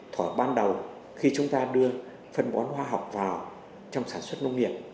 thổi ban đầu khi chúng ta đưa phân bón hoa học vào trong sản xuất nông nghiệp